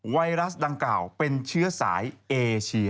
ไวรัสดังกล่าวเป็นเชื้อสายเอเชีย